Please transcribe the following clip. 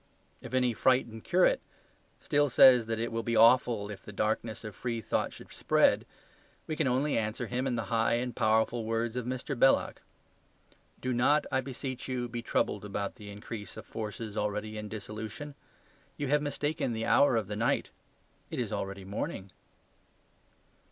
If any frightened curate still says that it will be awful if the darkness of free thought should spread, we can only answer him in the high and powerful words of Mr. Belloc, "Do not, I beseech you, be troubled about the increase of forces already in dissolution. You have mistaken the hour of the night: it is already morning."